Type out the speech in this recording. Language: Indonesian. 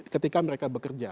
ketika mereka bekerja